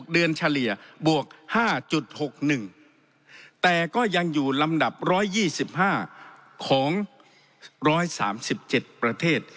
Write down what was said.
เดือนเฉลี่ยบวก๕๖๑แต่ก็ยังอยู่ลำดับ๑๒๕ของ๑๓๗ประเทศ